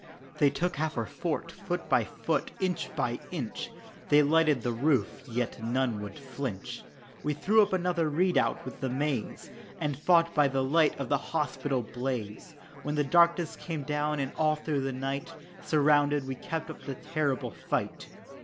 They took half our fort foot by foot inch by inch They lighted the roof, and yet none would flinch; We threw up another redoubt with the maize, And fought by the light of the hospital blaze When the darkness came down and all through the night Surrounded, we kept up the terrible fight.